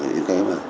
những cái mà